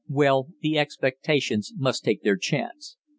Well, the expectations must take their chance.